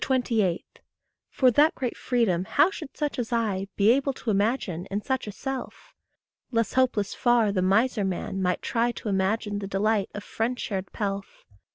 For, that great freedom how should such as I Be able to imagine in such a self? Less hopeless far the miser man might try To image the delight of friend shared pelf.